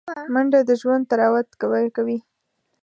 منډه د ژوند طراوت ورکوي